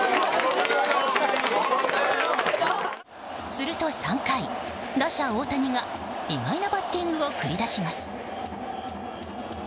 すると３回、打者・大谷が意外なバッティングを繰り出します。